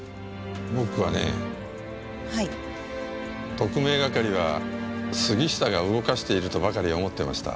特命係は杉下が動かしているとばかり思ってました。